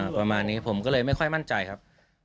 ประมาณนี้ผมก็เลยไม่ค่อยมั่นใจครับ